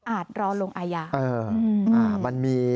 อาจรอลงอายา